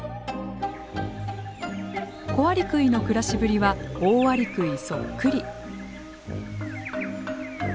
コアリクイの暮らしぶりはオオアリクイそっくり。